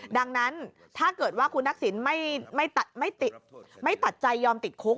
ดังนั้นถ้าเกิดว่าคุณทักษิณไม่ตัดใจยอมติดคุก